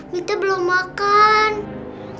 mita belum makan